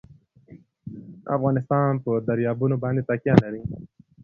افغانستان په دریابونه باندې تکیه لري.